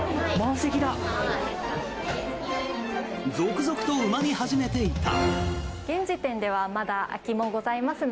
続々と埋まり始めていた。